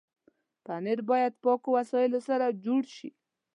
پنېر باید پاکو وسایلو سره جوړ شي.